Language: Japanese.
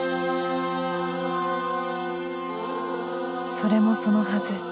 それもそのはず。